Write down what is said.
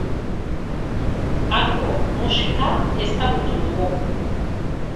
Hango musika ezagutu dugu.